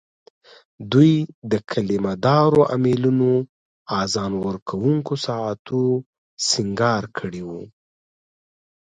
دوی د کلیمه دارو امېلونو، اذان ورکوونکو ساعتو سینګار کړي وو.